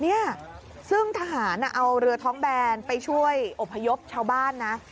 เนี่ยซึ่งทหารเอาเรือท้องแบนไปช่วยอบพยพชาวบ้านนะ